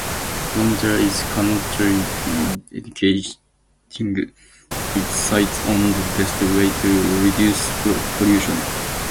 Fonterra is currently educating its sites on the best way to reduce pollution.